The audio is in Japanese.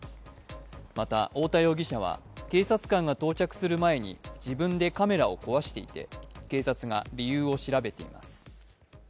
また、太田容疑者は警察官が到着する前に自分でカメラを壊していて警察が理由を調べています。